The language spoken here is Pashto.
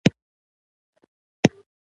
حجرات او انساج نظر مشخصې وظیفې یوځای کیږي.